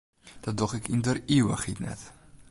Dat doch ik yn der ivichheid net.